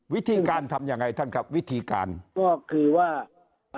วิธีการทำอย่างไรครับ